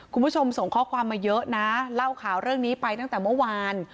คุณผู้ชมส่งข้อความมาเยอะนะเล่าข่าวเรื่องนี้ไปตั้งแต่เมื่อวาน